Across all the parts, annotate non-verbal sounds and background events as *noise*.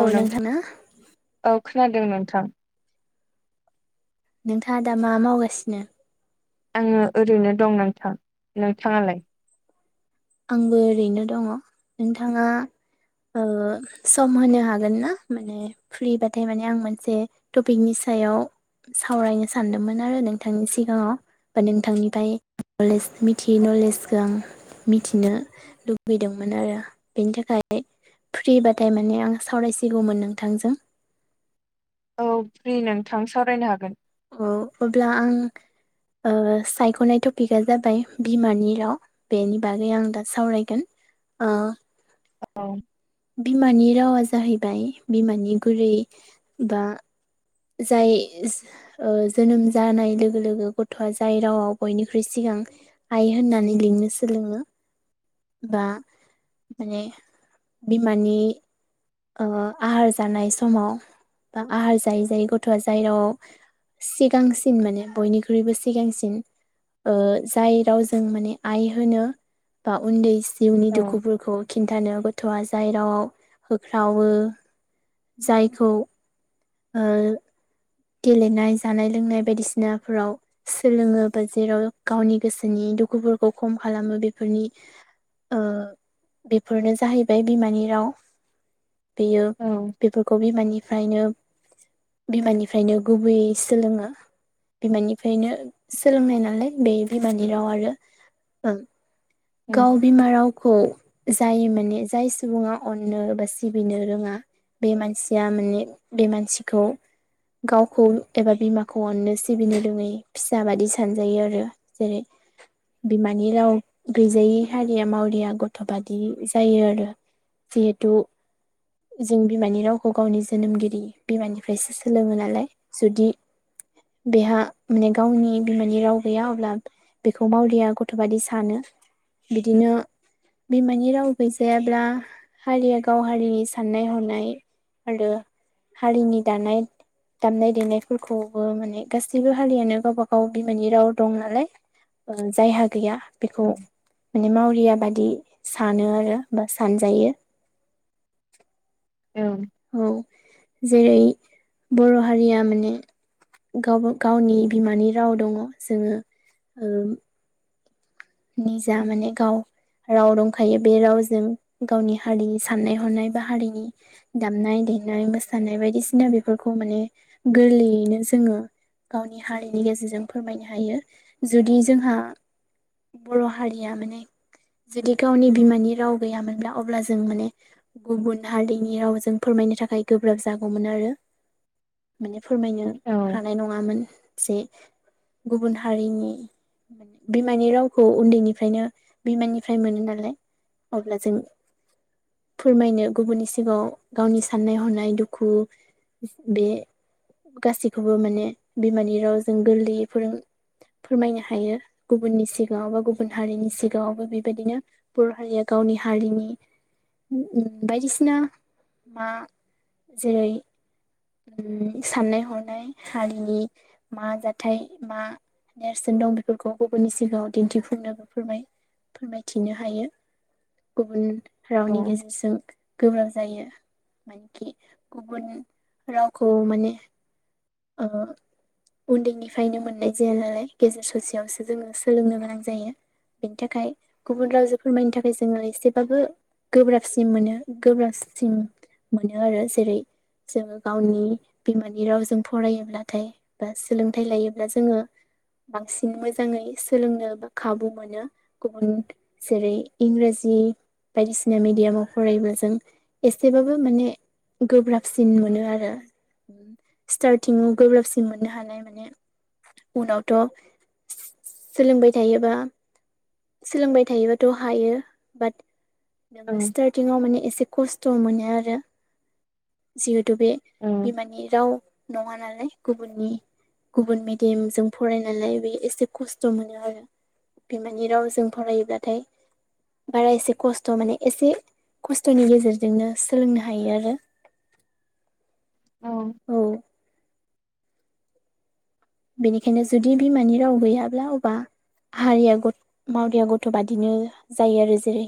औ नोंथां औ खोनादों नोंथां नोंथाङा दा मा मावगासिनो? आङो ओरैनो दं नोंथां नोंथाङालाय? आंबो ओरैनो दङ नोंथाङा ओ सम होनो हागोन ना माने फ्रिबाथाय माने आं मोनसे टपिकनि सायाव सावरायनो सानदोंमोन आरो नोंथांनि सिगाङाव। बा नोंथांनिफ्राय नलेज मिथियै नलेजखो आं मिथिनो लुबैदोंमोन आरो बेनि थाखाय फ्रिबाथाय माने आं सावरायसिगौमोन नोंथांजों औ फ्रि नोंथां सावरायनो हागोन। औ अब्ला आं ओ सायख'नाय टपिकआ जाबाय बिमानि राव। बेनि बागै आं दा सावरायगोन ओ औ। बिमानि रावा जाहैबाय बिमानि गुरै बा जाय ओ जोनोम जानाय लोगो लोगो गथ'आ जाय रावाव बयनिख्रुइ सिगां आइ होननानै लिंनो सोलोङो बा माने बिमानि ओ आहार जानाय समाव बा आहार जायै जायै गथ'आ जाय रावाव सिगांसिन माने बयनिख्रुइबो सिगांसिन। ओ जाय रावजों माने आइ होनो बा उन्दै जिउनि औ दुखुफोरखौ खिन्थानो गथ'आ जाय रावआव होख्रावो जायखौ ओ गेलेनाय जानाय लोंनाय बायदिसिनाफोराव सोलोङो बा जेराव गावनि गोसोनि दुखुफोरखौ खम खालामो बेफोरनि ओ बेफोरनो जाहैबाय बिमानि राव। बेयो औ बेफोरखौ बिमानिफ्रायनो बिमानिफ्रायनो गुबैयै सोलोङो। बिमानिफ्रायनो सोलोंनाय नालाय बे बिमानि राव आरो ओं औ गाव बिमा रावखौ जाय माने जाय सुबुङा अन नो बा सिबिनो रोङा बे मानसिया माने बे मानसिखौ गावखौ एबा बिमाखौ अननो सिबिनो रोङै फिसा बादि सानजायो आरो। जेरै बिमानि राव गैजायै हारिया मावरिया गथ' बादि जायो आरो। जिहेतु जों बिमानि रावखौ गावनि जोनोमगिरि बिमानिफ्रायसो सोलोङो नालाय जुदि बेहा माने गावनि बिमानि राव गैया अब्ला बेखौ मावरिया गथ' बादि सानो। बिदिनो बिमानि राव गैजायाब्ला हारिया गाव हारिनि साननाय हनाय आरो हारिनि दानाय दामनाय देनायफोरखौ बो माने गासैबो हारियानो गावबा गाव बिमानि राव दं नालाय जायहा गैया बेखौ औ माने मावरिया बादि सानो आरो बा सानजायो। औ। औ जेरै बर' हारिया माने गावबा गावनि बिमानि राव दङ' जोङो ओ निजा माने गाव राव दंखायो बे रावजों गावनि हारिनि साननाय हनाय बा हारिनि दामनाय देनाय मोसानाय बायदिसिना बेफोरखौ माने गोरलैयैनो जोङो गावनि हारिनि गेजेरजों फोरमायनो हायो जुदि जोंहा बर' हारिया माने जुदि गावनि बिमानि राव गैयामोनब्ला अब्ला जों माने गुबुन हारिनि रावजों फोरमायनो थाखाय गोब्राब जागौमोन आरो। माने फोरमायनो औ हानाय नङामोन। जे गुबुन हारिनि बिमानि राव खौ उन्दैनिफ्रायनो बिमाननिफ्राय मोनो नालाय अब्ला जों फोरमायनो गुबुननि सिगाङाव गावनि साननाय हनाय दुखु बे गासैखौबो माने बिमानि रावजों गोरलैयै फोरोङो फोरमायनो हायो गुबुननि सिग गाङाव बा गुबुन हारिनि सिगाङावबो बेबायदिनो बर' हारिया गावनि हारिनि बायदिसिना मा जेरै साननाय हनाय हारिनि मा जाथाय मा नेरसोन दं बेफोरखौ गुबुननि सिगाङाव दिन्थिफुंनो फोरमाय फोरमायथिनो हायो गुबुन रावनि गेजेरजों गोब्राब जायो मानखि गुबुन रावखौ माने ओ उन्दैनिफ्रायनो मोननाय जाया नालाय गेजेर ससेयावसो जोङो सोलोंनो गोनां जायो बेनि थाखाय गुबुन रावजो फोरमायनो थाखाय जोङो एसेबाबो गोब्राबसिम मोनो गोब्राबसिम मोनो आरो जेरै जोङो गावनि बिमानि रावजों फरायोब्लाथाय बा सोलोंथाइ लायोब्ला जोङो बांसिन मोजाङै सोलोंनो बा खाबु मोनो गुबुन जेरै इंराजि बायदिसिना मेडियामाव फरायोब्ला जों एसेबाबो माने गोब्राबसिन मोनो आरो उम स्टार्टिं आव गोब्राबसिन मोननो हानाय माने उनावथ' सोलोंबाय थायोबा सोलोंबाय थायोबाथ' हायो बाट नोङो स्टार्टिंआव माने एसे खस्थ' मोनो आरो जिहेथु बे बिमानि राव नङा नालाय गुबुननि गुबुन मेडियामजों फराय नालाय बे एसे खस्थ' मोनो आरो बिमानि रावजों फरायोब्लाथाय बारा एसे खस्थ' माने एसे खस्थ'नि गेजेरजोंनो सोलोंनो हायो आरो औ औ बेनिखायनो जुदि बिमानि राव गैयाब्ला अब्ला हारिया गट मावरिया गथ' बादिनो जायो आरो जेरै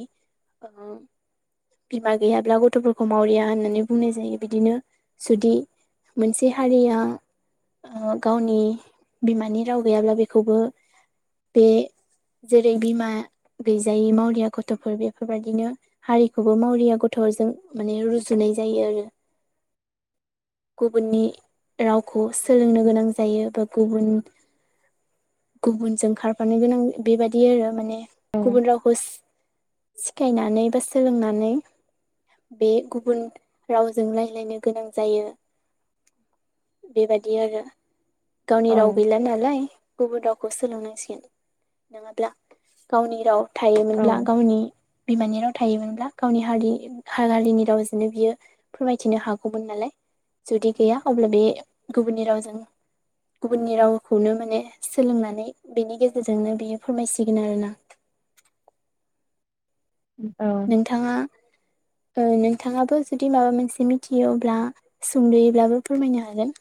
बिमा गैयाब्ला गथ'फोरखौ मावरिया होननानै बुंनाय जायो बिदिनो जुदि मोनसे हारिया ओ गावनि बिमानि राव गैयाब्ला बेखौबो बे जेरै बिमा गैजायि मावरिया गथ'फोर बेफोरबायदिनो हारिखौबो मावरिया गथ'जों माने रुजुनाय जायो आरो *inaudible* गुबुननि रावखौ सोलोंनो गोनां जायो बा गुबुन गुबुनजों खारफानो गोनां बेबायदि आरो माने गुबुन रावखौ सिखायनानै बा सोलोंनानै बे गुबुन रावजों रायज्लायनो गोनां जायो। बेबायाददि आरो गावनि राव गैला नालाय। गुबुन रावखौ सोलोंनांसिगोन नङाब्ला गावनि राव औ थायोमोनब्ला गावनि बिमानि राव थायोमोनब्ला गावनि हारि हारिनि रावजोंनो बियो फोरमायथिनो हागौमोन नालाय। जुदि गैया अब्ला बे गुबुननि रावजों गुबुननि रावखौनो माने सोलोंनानै बेनि गेजेरजोंनो बियो फोरमायसिगोन आरोना। *unintelligible* औ नोंथाङा ओ नोंथाङाबो जुदि माबा मोनसे मिथियोब्ला सुंद'योब्लाबो फोरमायनो हागोन।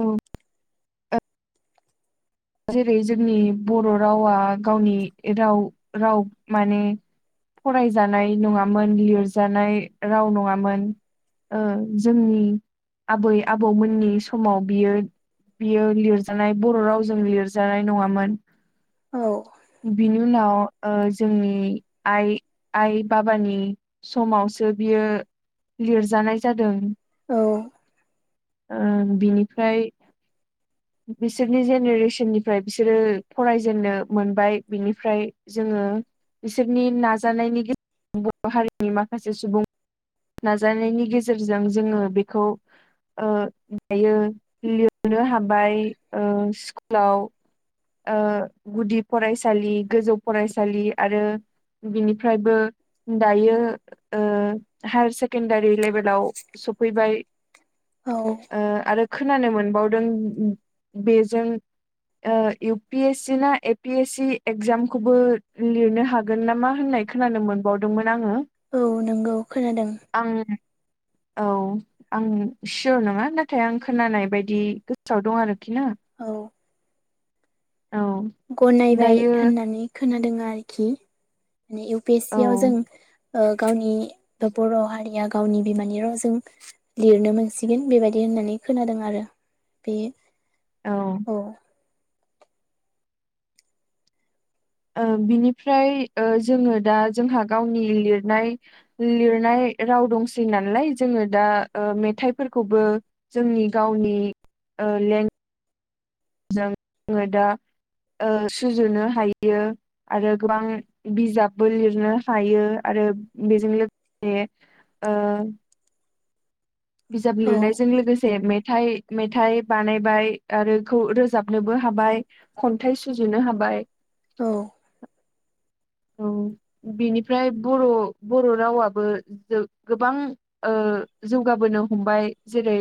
औ। जेरै जोंनि बर' रावा गावनि राव-राव माने फरायजानाय नङामोन लिरजानाय राव नङामोन। ओ जोंनि आबै आबौमोननि समाव बियो बियो लिरजानाय बर' रावजों लिरजानाय नङामोन औ बिनि उनाव जोंनि आइ आइ बाबानि समावसो बियो लिरजानाय जादों। औ। ओं बिनिफ्राय बिसोरनि जेन नेरेसननिफ्राय बिसोरो फरायजेननो मोनबाय बिनिफ्राय जोङो बिसोरनि नाजानायनि गेजेरजों बर' हारिनि माखासे सुबुं नाजानायनि गेजेरजों जोङो बेखौ दायो लिरनो हाबाय स्कुलाव ओ गुदि फरायसालि गोजौ फरायसालि आरो बिनिफ्रायबो दायो हायार सेकेणडारि लेभेलाव सफैबाय। औ। आरो खोनानो मोनबावदों बेजों इउ पि एस सि ना ए पि एस सि एगजामखौबो लिरनो हागोन नामा होननाय खोनानो मोनबावदोंमोन आङो। औ नंगौ खोनादों। आं औ। आं सियर नङा, नाथाय आं खोनानाय बायदि गोसोआव दं आरोखि ना। औ। औ। गनायबाय दायो होननानै खोनादों आरोखि माने इउ पि एस औ सि आव जों गावनि बर' हारिया गावनि बिमानि रावजों लिरनो मोनसिगोन बेबायदि होननानै खोनादों आरो बे औ। अ। ओ बिनिफ्राय ओ जोङो दा जोंहा गावनि लिरनाय लिरनाय राव दंसै नालाय जोङो दा ओ मेथाइफोरखौबो जोंनि गावनि ओ लें जों जोङो दा ओ सुजुनो हायो। आरो गोबां बिजाबबो लिरनो हायो आरो बेजों लोगोसे ओ। बिजाब औ लिरनायजों लोगोसे मेथाइ मेथाइ बानायबाय आरो खौ रोजाबनोबो हाबाय खन्थाइ सुजुनो हाबाय। औ। औ बेनिफ्राय बर' बर' रावाबो गोबां जौगाबोनो हमबाय जेरै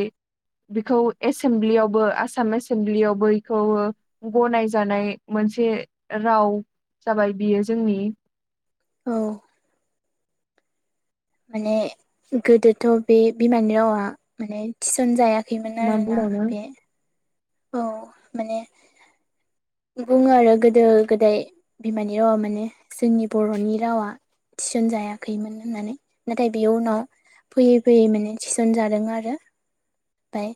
बेखौ एसेमब्लियावबो आसाम एसेमब्लियावबो एखौ गनायजानाय मोनसे राव जाबाय बियो जोंनि औ। माने गोदोथ' बे बिमानि रावा माने थिसन जाया खैमोन मा आरोना बुंबावनो बे औ माने बुङो आरो गोदो गोदाय बिमानि रावा माने जोंनि बर'नि रावा थिसन जायाखैमोन होननानै नाथाय बेयो उनाव फैयै फैयै माने थिसन जादों आरो ओमफाय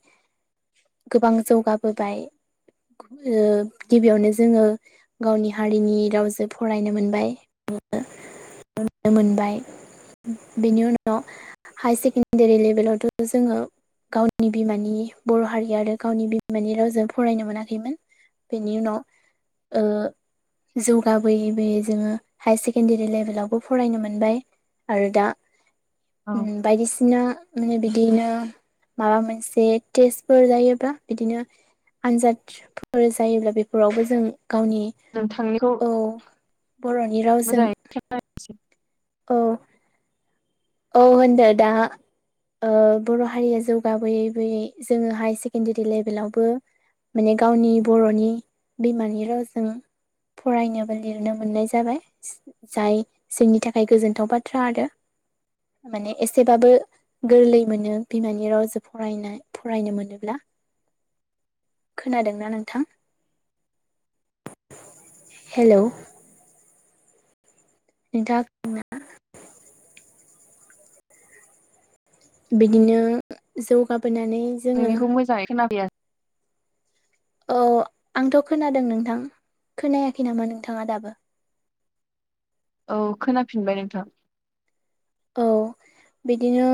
गोबां जौगाबोबाय ओ गिबियावनो जोङो गावनि हारिनि रावजों फरायनो मोनबाय। नुनो मोनबाय बेनि उनाव हायार सेकेणडारि लेभेलावथ' जोङो गावनि बिमानि बर' हारि आरो गावनि बिमानि रावजों फरायनो मोनाखैमोन। बिनि उनाव ओ जौगाबोयै बोयै जोङो हायार सेकेण्डारि लेभेलावबो फरायनो मोनबाय। आरो दा उ औ बायदिसिना माने बिदिनो माबा मोनसे टेस्टफोर जायोब्ला बिदिनो आनजादफोर जायोब्ला बेफोरावबो जों गावनि नोंथांनिखौ औ बर'नि रावजों मोजाङै औ अ होनदो दा बर' हारिया जौगाबोयै बोयै जोङो हाया सेकेणडारि लेभेलावबो माने गावनि बर'नि बिमानि रावजों फरायनोबा लिरनो मोननाय जाबाय जाय जोंनि थाखाय गोजोनथाव बाथ्रा आरो। माने एसेबाबो गोरलै मोनो बिमानि रावजों फरायनाय फरायनो मोनोब्ला। खोनादोंना नोंथां हेलौ? नोंथां *unintelligible* बिदिनो जौगाबोनानै जोङो नोंनिखौ मोजाङै खोनाफैया औ आंथ' खोनादों नोंथां खोनायाखै नामा नोंथाङा दाबो? औ खोनाफिनबाय नोंथां। औ बिदिनो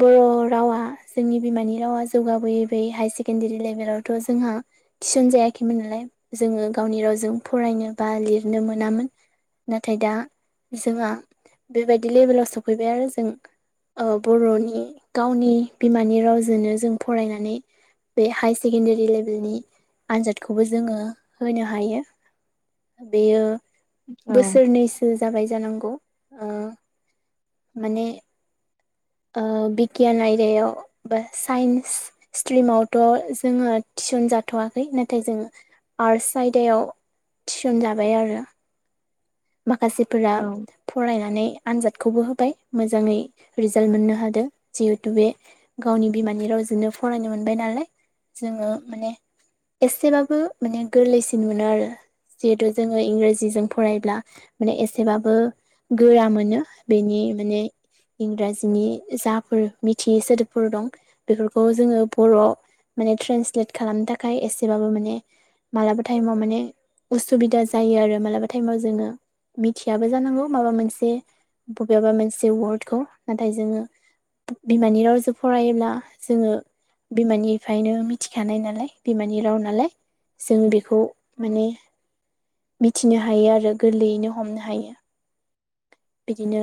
बर' रावा जोंनि बिमानि रावा जौगाबोयै बोयै हाया सेकेण्डारि लेभेलावथ' जोंहा थिसन जायाखैमोन नालाय जोङो गावनि रावजों फरायनो बा लिरनो मोनामोन। नाथाय दा जोंहा बेबायदि लेभेलाव सफैबाय आरो जों बर'नि गावनि बिमानि रावजोंनो जों फरायनानै बे हाय सेकेणडारि लेभेलनि आनजादखौबो जोङो होनो हायो। बेयो औ बोसोरनैसो जाबाय जानांगौ। माने बिगियान आयदायाव बा साइन्स स्ट्रिमावथ' जोङो थिसन जाथ'वाखै नाथाय जोङो आर्टस आयदायाव थिसनजाबाय आरो। माखासेफोरा औ फरायनानै आनजाद खौबो होबाय मोजाङै रिजाल्ट मोननो हादों जिहेतु बे गावनि बिमानि रावजोंनो फरायनो मोनबाय नालाय जोङो माने एसेबाबो माने गोरलैसिन मोनो आरो जिहेथु जोङो इंराजिजों फरायब्ला माने एसेबाबो गोरा मोनो बेनि माने इंराजिनि जाफोर मिथियै सोदोबफोर दं बेफोरखौ जोङो बर'आव माने ट्रेन्सलेट खालामनो थाखाय एसेबाबो माने मालाबा टाइमाव माने उसुबिदा जायो आरो मालाबा टाइमाव जोङो। मिथियाबो जानांगौ माबा मोनसे बबेबा मोनसे वार्डखौ नाथाय जोङो बिमानि रावजों फरायोब्ला जोङो बिमानिफ्रायनो मिथिखानाय नालाय बिमानि राव नालाय। जों बेखौ माने मिथिनो हायो आरो। गोरलैयैनो हमनो हायो बिदिनो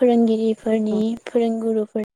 फोरोंगिरि फोरनि फोरोंगुरुफोर